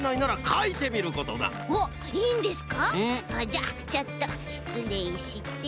じゃあちょっとしつれいして。